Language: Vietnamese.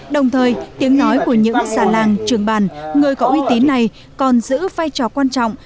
đồng thời tiếng nói của những già làng trường bàn người có uy tín này còn giữ vai trò quan trọng